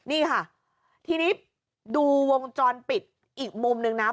นี่ค่ะทีนี้ดูวงจรปิดอีกมุมนึงนะ